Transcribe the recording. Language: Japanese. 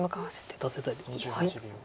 打たせたいってことです。